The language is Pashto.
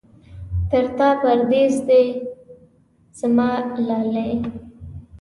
تر تا پردېس دی زما لالی.